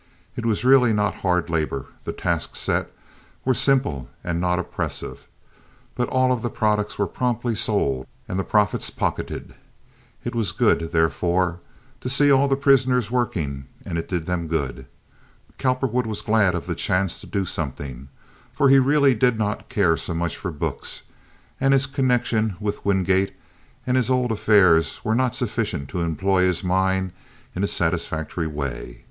It was really not hard labor—the tasks set were simple and not oppressive, but all of the products were promptly sold, and the profits pocketed. It was good, therefore, to see all the prisoners working, and it did them good. Cowperwood was glad of the chance to do something, for he really did not care so much for books, and his connection with Wingate and his old affairs were not sufficient to employ his mind in a satisfactory way.